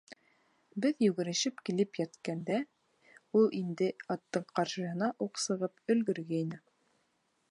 Беҙ югерешеп килеп еткәндә, ул инде аттың ҡаршыһына уҡ сығып өлгөргәйне.